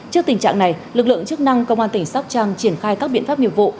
trước tình trạng này lực lượng chức năng công an tỉnh sóc trăng triển khai các biện pháp nghiệp vụ